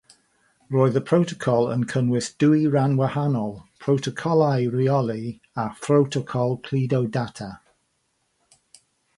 Roedd y protocol yn cynnwys dwy ran wahanol: protocolau rheoli a phrotocol cludo data.